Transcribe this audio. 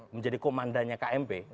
menjadi komandanya kmp